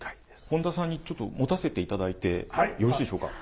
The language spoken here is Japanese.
本田さんにちょっと持たせていただいてよろしいでしょうか。